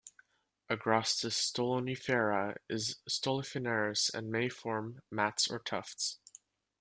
"Agrostis stolonifera" is stoloniferous and may form mats or tufts.